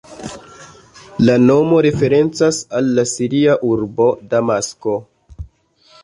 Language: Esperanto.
La nomo referencas al la siria urbo Damasko.